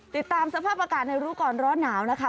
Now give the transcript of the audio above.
ติดตามสภาพอากาศในรู้ก่อนร้อนหนาวนะคะ